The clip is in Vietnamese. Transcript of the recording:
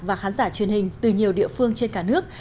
và khán giả truyền hình từ nhiều địa phương trên cả nước